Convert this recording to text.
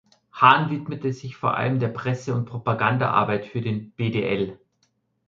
Hahn widmete sich vor allem der Presse- und Propagandaarbeit für den BdL.